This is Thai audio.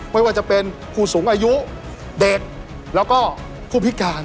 ไม่ว่าจะเป็นผู้สูงอายุเด็กคุณพิการ